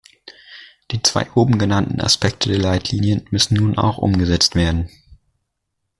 Die zwei oben genannten Aspekte der Leitlinien müssen nun auch umgesetzt werden.